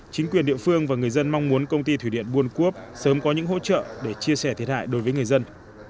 chính quyền địa phương và người dân mong muốn công ty thủy điện buôn cốp sớm có những hỗ trợ để chia sẻ thiệt hại đối với người dân